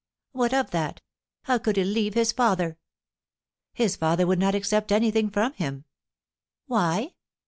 "What of that, how could he leave his father?" "His father would not accept anything from him." "Why?"